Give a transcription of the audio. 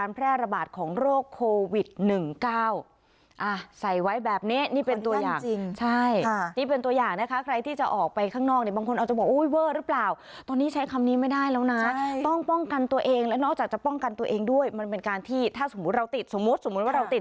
เพราะเราติดจะได้ป้องกันไม่ให้การเกิดการแพร่ระบาดด้วย